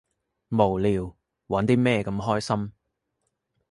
無聊，玩啲咩咁開心？